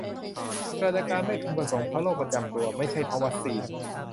เกิดอาการไม่พึงประสงค์เพราะโรคประจำตัว ไม่ใช่เพราะวัคซีน